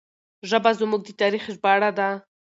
ژبه زموږ د تاریخ ژباړه ده.